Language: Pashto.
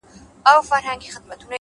صادق چلند باور ته دوام ورکوي’